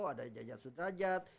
ada jajat sudrajat